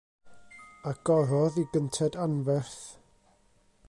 Agorodd i gynted anferth.